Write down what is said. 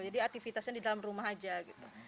jadi aktivitasnya di dalam rumah aja gitu